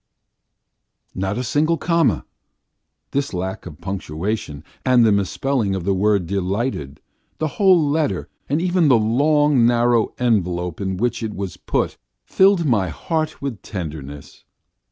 Not a single comma. This lack of punctuation, and the misspelling of the word "delighted," the whole letter, and even the long, narrow envelope in which it was put filled my heart with tenderness.